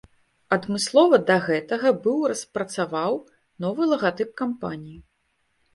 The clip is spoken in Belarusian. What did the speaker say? Адмыслова да гэтага быў распрацаваў новы лагатып кампаніі.